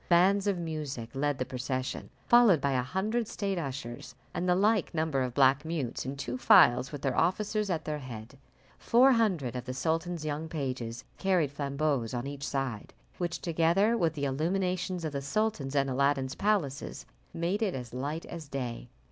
Bands of music led the procession, followed by a hundred state ushers, and the like number of black mutes, in two files, with their officers at their head. Four hundred of the sultan's young pages carried flambeaux on each side, which, together with the illuminations of the sultan's and Aladdin's palaces, made it as light as day.